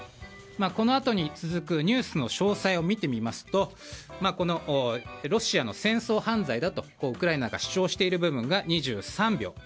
このあとに続くニュースの詳細を見てみますとロシアの戦争犯罪だとウクライナが主張している部分が２３秒。